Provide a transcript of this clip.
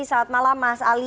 selamat malam mas ali